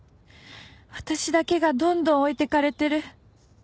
私だけがどんどん置いてかれてる。